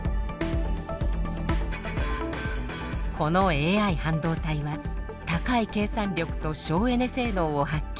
このＡＩ半導体は高い計算力と省エネ性能を発揮。